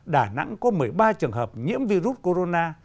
đà nẵng có một mươi ba trường hợp nhiễm virus corona